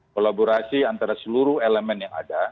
kolaborasi antara seluruh elemen yang ada